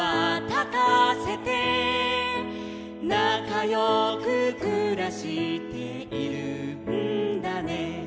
「なかよくくらしているんだね」